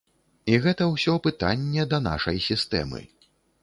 І гэта ўсё пытанне да нашай сістэмы.